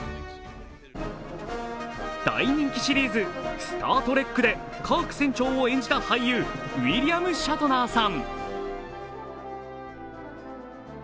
大人気シリーズ、「スタートレック」でカーク船長を演じたウィリアム・シャトナーさん。